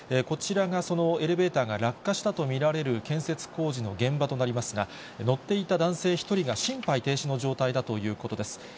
こちらがそのエレベーターが落下したと見られる建設工事の現場となりますが、乗っていた男性１人が心肺停止の状態だということです。